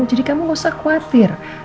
jadi kamu gak usah khawatir